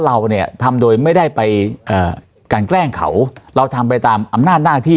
เราเนี่ยทำโดยไม่ได้ไปเอ่อกันแกล้งเขาเราทำไปตามอำนาจหน้าที่